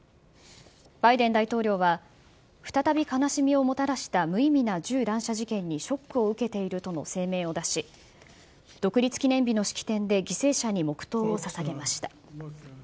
バイデン大統領は、再び悲しみをもたらした無意味な銃乱射事件にショックを受けているとの声明を出し、独立記念日の式典で犠牲者に黙とうをささげました。